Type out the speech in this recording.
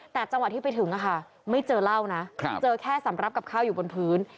แต่จังหวะที่ไปถึงไม่เจอเหล้านะเจอแค่สำรับกับข้าวอยู่บนพื้น